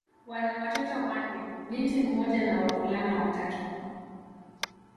Wana watoto wanne: binti mmoja na wavulana watatu.